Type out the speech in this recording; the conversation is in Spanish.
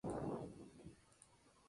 Brian significa "valeroso".